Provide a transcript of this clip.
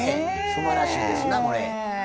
すばらしいですなこれ。